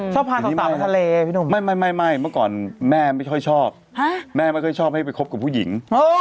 พาน้องสาวไปทะเลพี่หนุ่มไม่เมื่อก่อนแม่ไม่ค่อยชอบแม่ไม่ค่อยชอบให้ไปคบกับผู้หญิง